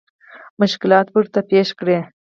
مشکلات به ورته پېښ کړي.